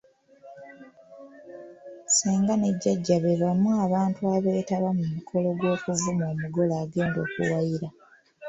Ssenga ne Jjajja beebamu abantu abeetaba mu mukolo gw’okuvuma omugole agenda akuwayira.